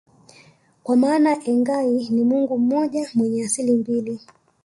kwa maana Engai ni mungu mmoja mwenye asili mbili